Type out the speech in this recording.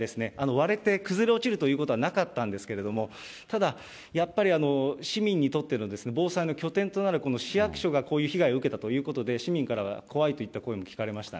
割れて、崩れ落ちるというということはなかったんですけれども、ただ、やっぱり市民にとって防災の拠点となるこの市役所がこういう被害を受けたということで、市民からは怖いといった声も聞かれました